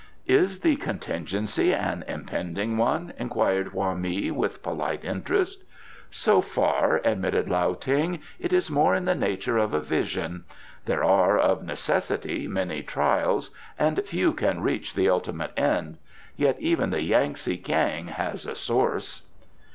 "Is the contingency an impending one?" inquired Hoa mi, with polite interest. "So far," admitted Lao Ting, "it is more in the nature of a vision. There are, of necessity, many trials, and few can reach the ultimate end. Yet even the Yangtze kiang has a source."